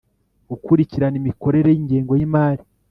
gukurikirana imikorere y ingengo y imari.